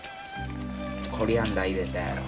コリアンダー入れたやろ。